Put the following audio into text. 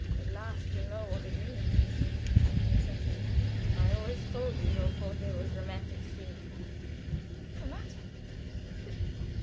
"At last you know what it means," said he. "I always told you your forte was dramatic singing." "Dramatic!